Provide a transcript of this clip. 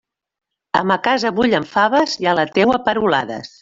A ma casa bullen faves, i a la teua, perolades.